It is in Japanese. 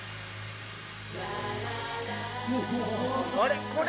あれ？